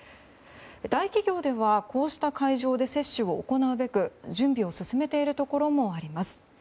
大企業では、こうした会場で接種を行うべく準備を進めているところもあります。